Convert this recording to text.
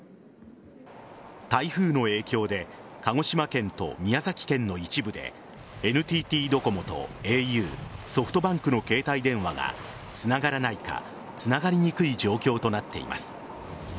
台風の影響で鹿児島県と宮崎県の一部でＮＴＴドコモとａｕソフトバンクの携帯電話がつながらないかつながりにくい状態となっています。